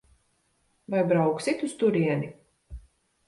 Vai brauksit uz turieni?